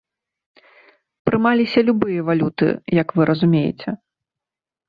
Прымаліся любыя валюты, як вы разумееце.